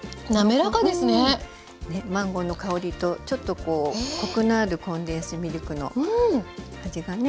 マンゴーの香りとちょっとこうコクのあるコンデンスミルクの味がね